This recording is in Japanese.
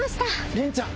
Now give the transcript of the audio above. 凜ちゃん！